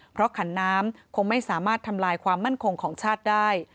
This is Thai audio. เพราะขันน้ำคงไม่สามารถทำลายความมั่นคงของชาติได้